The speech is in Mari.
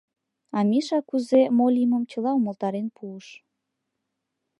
А Миша кузе, мо лиймым чыла умылтарен пуыш.